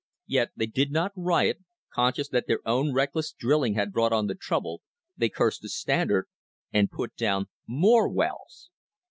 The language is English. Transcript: Yet they did not riot; conscious that their own reckless drilling had brought on the trouble, they cursed the Standard, and put down more wells!